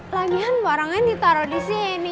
lagihan barang nya ditaro disini